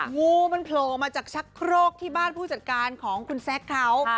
งูมันโผล่มาจากชักโครกที่บ้านผู้จัดการของคุณแซคเขา